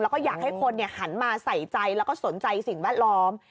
แล้วก็อยากให้คนหันมาใส่ใจแล้วก็สนใจสิ่งแวดล้อม